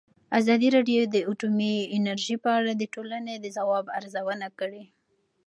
ازادي راډیو د اټومي انرژي په اړه د ټولنې د ځواب ارزونه کړې.